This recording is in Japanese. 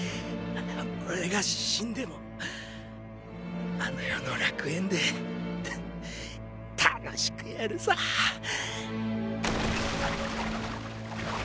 お俺が死んでもあの世の楽園でッた楽しくやるさッ。